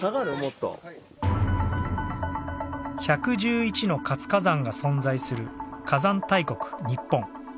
１１１の活火山が存在する火山大国日本。